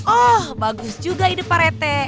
oh bagus juga ide pak rete